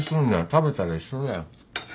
食べたら一緒だよ。